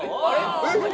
えっ！